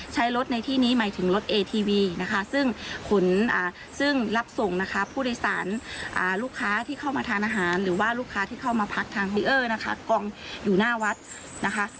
ใช้รถในที่นี้หมายถึงรถเอทีวีนะคะซึ่งขนซึ่งรับส่งนะคะผู้โดยสารลูกค้าที่เข้ามาทานอาหารหรือว่าลูกค้าที่เข้ามาพักทางรีเออร์นะคะกองอยู่หน้าวัดนะคะ